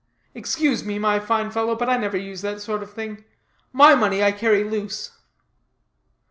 "Excuse me, my fine fellow, but I never use that sort of thing; my money I carry loose."